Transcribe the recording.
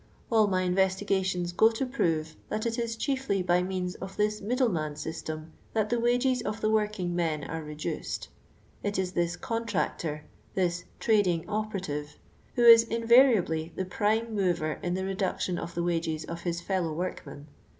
All my in , vestigations go to prove, that it is chiefly by ; means of this middleman system that the wages ! of the working men are reduced. It is this contractor — this trading operative — who is in ; variably the prime mover in the reduction of I the wages of his fellow workmec.